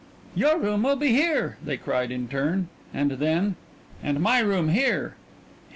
"Your room will be here!" they cried in turn. And then: "And my room here!"